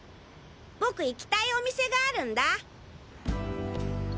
僕行きたいお店があるんだ。